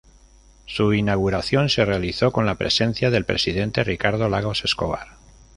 Su inauguración se realizó con la presencia del presidente Ricardo Lagos Escobar.